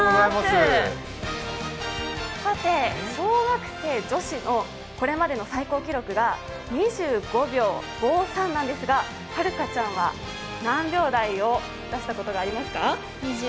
小学生女子のこれまでの最高記録が２５秒５３なんですが、永佳ちゃんは何秒台を出したことがありますか？